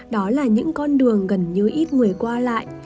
đó là những con đường gần như ít người qua lại